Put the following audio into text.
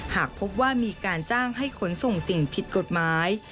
หากพบว่ามีการจ้างให้ขนส่งสิ่งผิดกฎหมาย